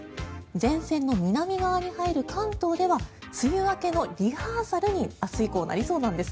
前線の南側に入る関東では梅雨明けのリハーサルに明日以降なりそうなんです。